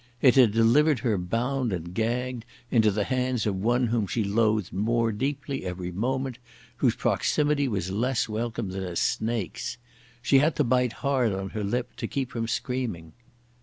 It had delivered her bound and gagged into the hands of one whom she loathed more deeply every moment, whose proximity was less welcome than a snake's. She had to bite hard on her lip to keep from screaming.